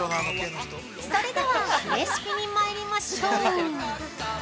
それではレシピにまいりましょう。